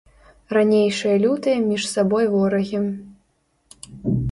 Ранейшыя лютыя між сабой ворагі.